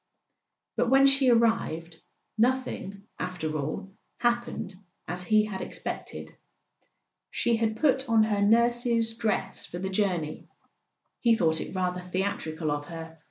But when she arrived, nothing, after all, happened as he had expected. She had put on her nurse's dress [ 297 ] A SON AT THE FRONT for the journey (he thought it rather theatrical of her.